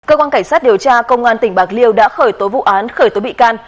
cơ quan cảnh sát điều tra công an tỉnh bạc liêu đã khởi tố vụ án khởi tố bị can